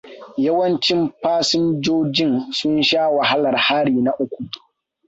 Yawancin fasijojin sun sha wahalar hari na uku.